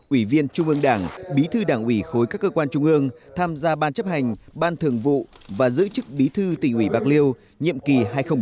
ủy viên trung ương đảng bí thư đảng ủy khối các cơ quan trung ương tham gia ban chấp hành ban thường vụ và giữ chức bí thư tỉnh ủy bạc liêu nhiệm kỳ hai nghìn một mươi năm hai nghìn hai mươi